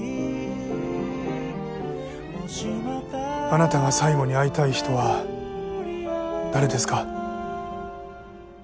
あなたが最後に会いたい人は誰ですか？